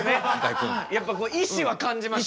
やっぱ意志は感じました。